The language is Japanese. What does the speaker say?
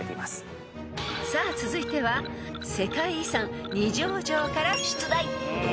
［さあ続いては世界遺産二条城から出題］